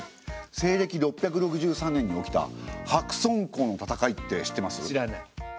西暦６６３年に起きた白村江の戦いって知ってます？